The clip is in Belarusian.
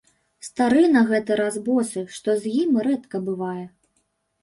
Стары на гэты раз босы, што з ім рэдка бывае.